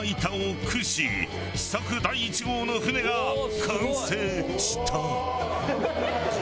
試作第１号の舟が完成した。